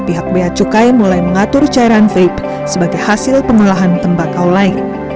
pihak bacukai mulai mengatur cairan vape sebagai hasil pengelolaan tembakau lain